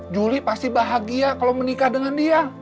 juli pasti bahagia kalau menikah dengan dia